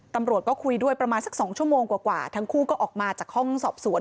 ตำรวจก็คุยด้วยประมาณสัก๒ชั่วโมงกว่าทั้งคู่ก็ออกมาจากห้องสอบสวน